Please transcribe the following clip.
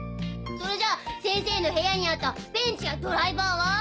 それじゃ先生の部屋にあったペンチやドライバーは？